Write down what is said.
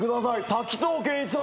滝藤賢一さんです。